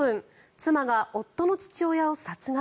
妻が夫の父親を殺害？